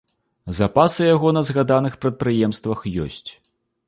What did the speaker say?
Запасы яго на згаданых прадпрыемствах ёсць.